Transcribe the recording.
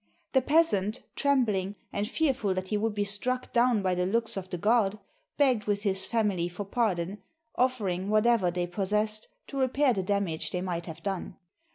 The peasant, trembling, and fearful that he would be struck down by the looks of the god, begged with his family for pardon, offering whatever they possessed to repair the damage they might have done.